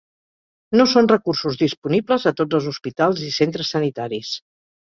No són recursos disponibles a tots els hospitals i centres sanitaris.